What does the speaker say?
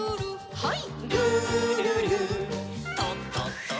はい。